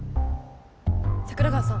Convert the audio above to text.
桜川さん